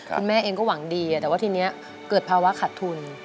คุณแม่เองก็หวังดีแต่ว่าทีนี้เกิดภาวะขาดทุน